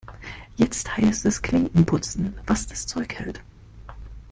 Jetzt heißt es Klinken putzen, was das Zeug hält.